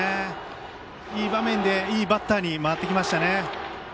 いい場面でいいバッターに回ってきましたね。